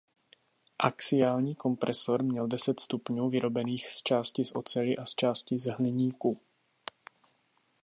Axiální kompresor měl deset stupňů vyrobených zčásti z oceli a zčásti z hliníku.